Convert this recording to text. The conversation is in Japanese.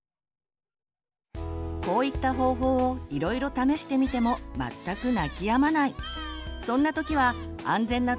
こういった方法をいろいろ試してみても全く泣きやまない！